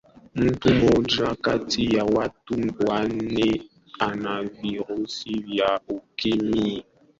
mtu mmoja kati ya watu wanne ana virusi vya ukimwi